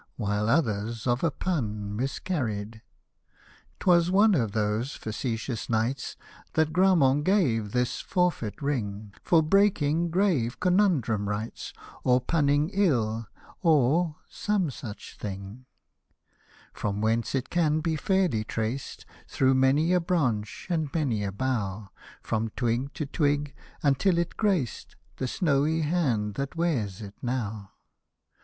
While others of a pun miscarried. 'Twas one of those facetious nights That Grammont gave this forfeit ring For breaking grave conundrum rites, Or punning ill, or — some such thing :— Hosted by Google TO LADV IlEATHCOTE 75 From whence it can be fairly traced, Through many a branch and many a bough, From twig to twig, until it graced The snowy hand that wears it now.